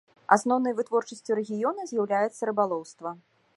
Асноўнай вытворчасцю рэгіёна з'яўляецца рыбалоўства.